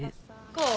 こう？